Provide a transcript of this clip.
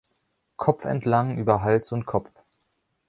Kopfentlang über Hals und Kopf.